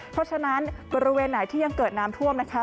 เพราะฉะนั้นบริเวณไหนที่ยังเกิดน้ำท่วมนะคะ